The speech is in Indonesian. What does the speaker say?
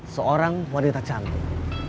seorang wanita canik